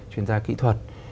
chuyên gia kỹ thuật